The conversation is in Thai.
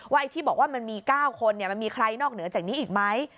ไอ้ที่บอกว่ามันมี๙คนมันมีใครนอกเหนือจากนี้อีกไหม